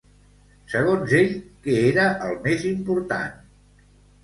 Segons ell, què era el més important?